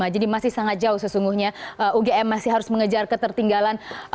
jadi masih sangat jauh sesungguhnya ugm masih harus mengejar ketertinggalan